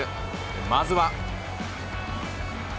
まずは。